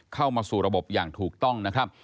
เข้ามาสู่ระบบอย่างถูกต้องนะครับ